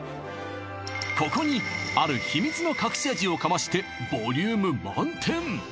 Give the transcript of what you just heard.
ここにある秘密の隠し味をかましてボリューム満点